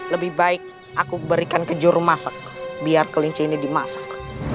lebih baik aku berikan ke jurumasek biar kelinci ini dimasek